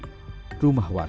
rumah warga mudah terbakar